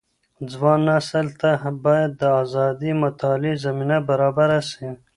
ځوان نسل ته بايد د ازادي مطالعې زمينه برابره سي.